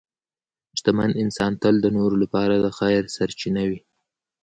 شتمن انسان تل د نورو لپاره د خیر سرچینه وي.